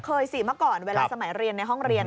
สิเมื่อก่อนเวลาสมัยเรียนในห้องเรียน